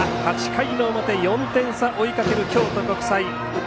８回の表、４点差を追いかける京都国際。